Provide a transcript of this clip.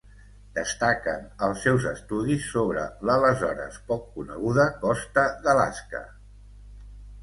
Destaquen els seus estudis sobre l'aleshores poc coneguda costa d'Alaska.